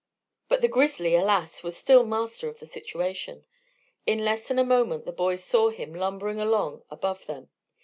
But the grizzly, alas! was still master of the situation. In less than a moment the boys saw him lumbering along above them.